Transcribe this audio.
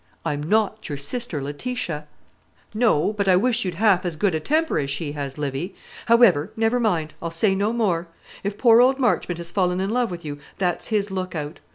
"I'm not your sister Letitia." "No; but I wish you'd half as good a temper as she has, Livy. However, never mind; I'll say no more. If poor old Marchmont has fallen in love with you, that's his look out.